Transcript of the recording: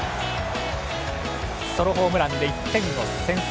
ソロホームランで１点を先制。